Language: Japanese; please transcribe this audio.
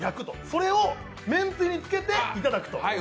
それをめんつゆにつけていただくと。